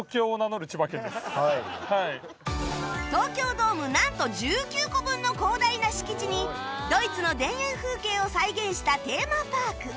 東京ドームなんと１９個分の広大な敷地にドイツの田園風景を再現したテーマパーク